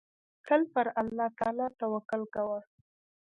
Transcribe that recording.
تل پر الله تعالی توکل کوه.